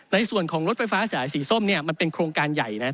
ในส่วนของรถไฟฟ้าสายสีส้มมันเป็นโครงการใหญ่นะ